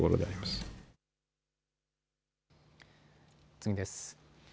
次です。